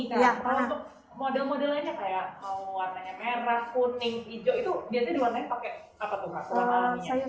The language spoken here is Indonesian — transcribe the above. kalau untuk model model lainnya kayak warnanya merah kuning hijau itu biasanya diwarnain pakai apa